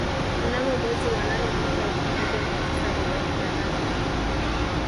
Mnamo mwezi wa nane mwaka elfu moja mia tisa arobaini na tano